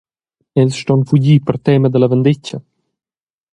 Els ston fugir per tema dalla vendetga.